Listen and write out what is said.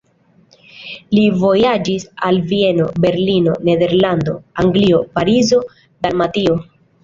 Li vojaĝis al Vieno, Berlino, Nederlando, Anglio, Parizo, Dalmatio.